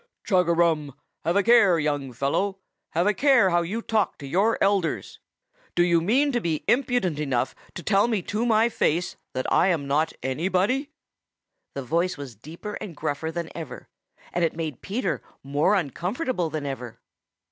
"Chug a rum! Have a care, young fellow! Have a care how you talk to your elders. Do you mean to be impudent enough to tell me to my face that I am not anybody?" The voice was deeper and gruffer than ever, and it made Peter more uncomfortable than ever.